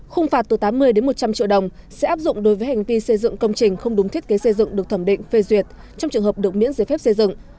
khung phạt từ tám mươi một trăm linh triệu đồng sẽ áp dụng đối với hành vi xây dựng công trình không đúng thiết kế xây dựng được thẩm định phê duyệt trong trường hợp được miễn giấy phép xây dựng